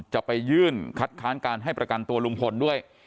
จะไปยื่นคัดค้านการให้ประกันตัวลุงพลด้วย